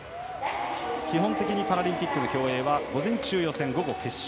基本的にパラリンピック競泳は午前中予選、午後決勝。